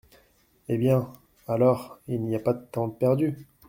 Et bien ! alors, il n’y a pas de temps de perdu…